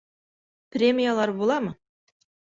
Премиялар буламы?